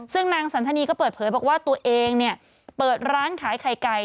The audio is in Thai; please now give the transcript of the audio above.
ซึ่งนางสันธนีก็เปิดเผยบอกว่าตัวเองเนี่ยเปิดร้านขายไข่ไก่